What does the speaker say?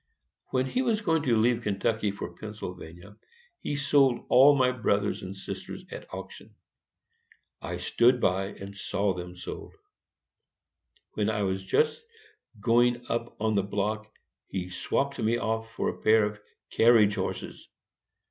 When he was going to leave Kentucky for Pennsylvania, he sold all my brothers and sisters at auction. I stood by and saw them sold. When I was just going up on to the block, he swapped me off for a pair of carriage horses.